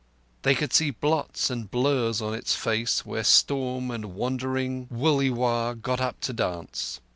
They could see blots and blurs on its face where storm and wandering wullie wa got up to dance.